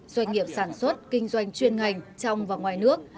doanh nghiệp sản xuất kinh doanh chuyên ngành trong và ngoài nước